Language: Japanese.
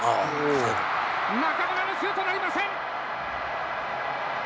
中村のシュートなりません！